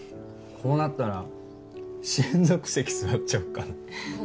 こうなったら親族席座っちゃおうかな